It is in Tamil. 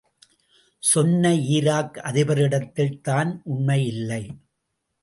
சொன்ன ஈராக் அதிபரிடத்தில் தான் உணமை இல்லை.